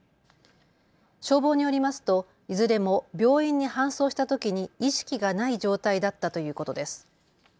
消防によりますといずれも病院に搬送したときに意識がない状態だったということです。